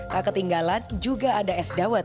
tak ketinggalan juga ada es dawet